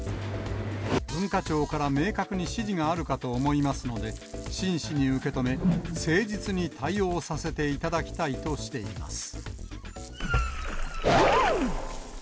文化庁から明確に指示があるかと思いますので、真摯に受け止め、誠実に対応させていただきたいとしています。